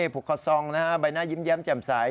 ภูเขาซองนะครับใบหน้ายิ้มแย้มแจ่มใส